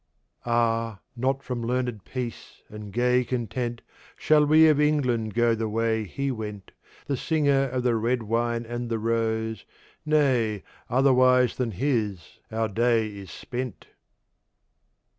Ah, not from learned Peace and gay Content Shall we of England go the way he went The Singer of the Red Wine and the Rose Nay, otherwise than his our Day is spent!